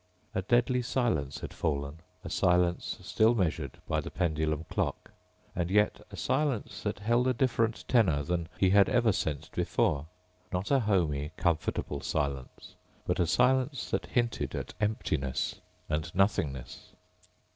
A deathly silence had fallen, a silence still measured by the pendulum clock. And yet a silence that held a different tenor than he had ever sensed before. Not a homey, comfortable silence ... but a silence that hinted at emptiness and nothingness.